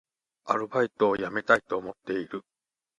アルバイトを辞めたいと思っている